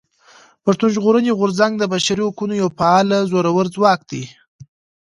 پښتون ژغورني غورځنګ د بشري حقونو يو فعال زورور ځواک دی.